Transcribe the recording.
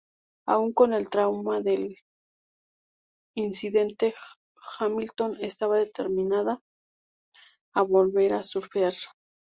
Aun con el trauma del incidente, Hamilton estaba determinada a volver a surfear.